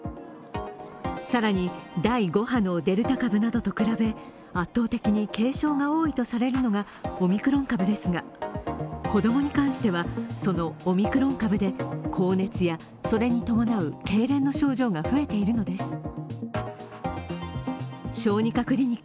更に第５波のデルタ株などと比べ圧倒的に軽症が多いとされるのがオミクロン株ですが子供に関しては、そのオミクロン株で高熱やそれに伴うけいれんの症状が増えているのです。